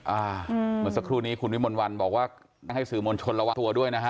เหมือนสักครู่นี้คุณวิมลวันบอกว่าให้สื่อมวลชนระวังตัวด้วยนะฮะ